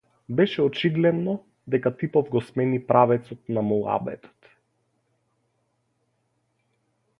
Беше очигледно дека типов го смени правецот на муабетот.